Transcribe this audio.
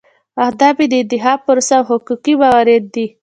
اهداف یې د انتخاب پروسه او حقوقي موارد دي.